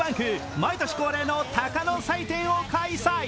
毎年恒例の鷹の祭典を開催。